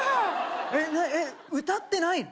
えっな歌ってないの？